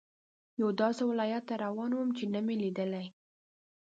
یوه داسې ولایت ته روان وم چې نه مې لیدلی.